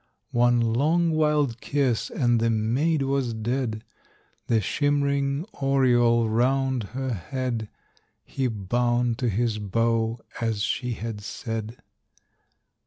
One long, wild kiss, and the maid was dead. The shimmering aureole round her head He bound to his bow, as she had said.